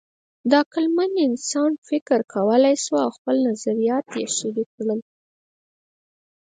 د عقلمن انسانان فکر کولی شول او خپل نظریات یې شریک کړل.